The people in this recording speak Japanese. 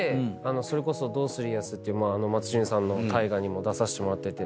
それこそ『どうする家康』っていう松潤さんの大河にも出させてもらってて。